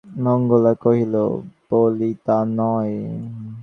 মঙ্গলা কহিল, বলি তা নয়।